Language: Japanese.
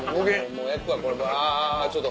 もう焼くわこれあぁちょっと。